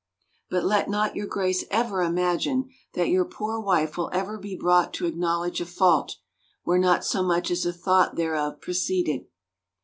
" But let not your Grace ever imagine that your poor wife will ever be brought to acknowledge a fault, where not so much as a thought thereof preceded.